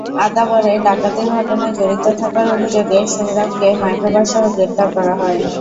আদাবরে ডাকাতির ঘটনায় জড়িত থাকার অভিযোগে সোহরাবকে মাইক্রোবাসসহ গ্রেপ্তার করা হয়।